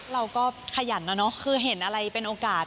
เราก็ขยันนะเนอะคือเห็นอะไรเป็นโอกาส